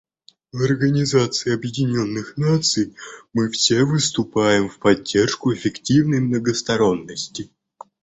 В Организации Объединенных Наций мы все выступаем в поддержку эффективной многосторонности.